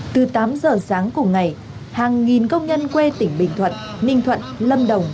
từ tám giờ sáng cùng ngày hàng nghìn công nhân quê tỉnh bình thuận ninh thuận lâm đồng